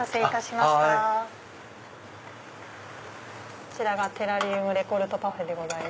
こちらがテラリウム・レコルトパフェです。